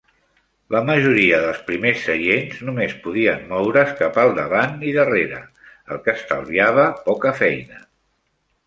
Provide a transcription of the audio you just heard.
La majoria dels primers seients només podien moure's cap al davant i darrere, el que estalviava poca feina.